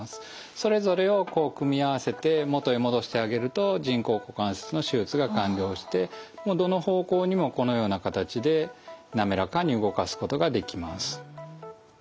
それぞれをこう組み合わせて元へ戻してあげると人工股関節の手術が完了してどの方向にもこのような形でなめらかに動かすことができます。